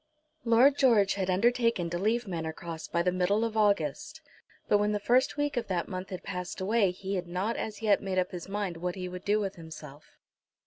Lord George had undertaken to leave Manor Cross by the middle of August, but when the first week of that month had passed away he had not as yet made up his mind what he would do with himself.